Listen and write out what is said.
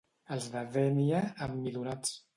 Els de Dénia, emmidonats.